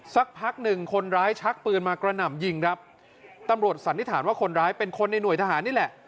สักพักหนึ่งคนร้ายชักปืนมากระหน่ำยิงครับตำรวจสันนิษฐานว่าคนร้ายเป็นคนในหน่วยทหารนี่แหละ